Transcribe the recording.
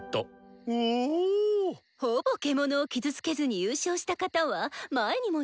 ほぼ獣を傷つけずに優勝した方は前にもいたわねぇ。